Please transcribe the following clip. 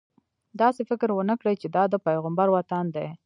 داسې فکر ونه کړې چې دا د پیغمبر وطن دی.